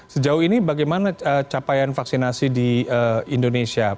sejauh ini bagaimana capaian vaksinasi di indonesia